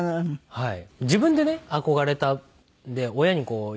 はい。